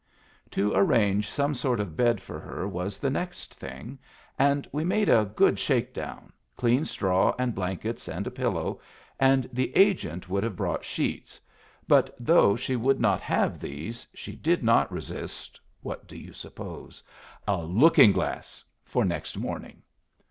To arrange some sort of bed for her was the next thing, and we made a good shake down clean straw and blankets and a pillow, and the agent would have brought sheets; but though she would not have these, she did not resist what do you suppose? a looking glass for next morning!